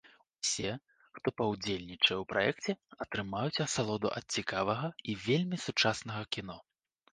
Усе, хто паўдзельнічае ў праекце, атрымаюць асалоду ад цікавага і вельмі сучаснага кіно.